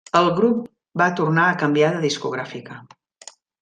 El grup va tornar a canviar de discogràfica.